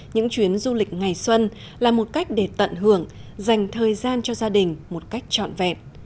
những chuyến du lịch ngày xuân là một cách để tận hưởng dành thời gian cho gia đình một cách trọn vẹn